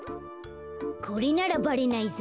これならばれないぞ。